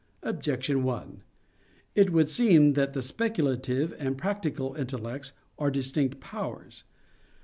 Objection 1: It would seem that the speculative and practical intellects are distinct powers.